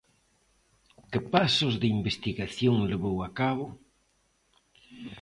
Que pasos de investigación levou a cabo?